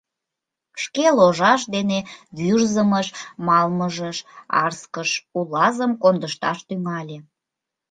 Шке ложаш дене Вӱрзымыш, Малмыжыш, Арскыш улазым кондышташ тӱҥале.